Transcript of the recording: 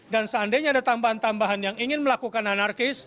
dan seandainya ada tambahan tambahan yang ingin melakukan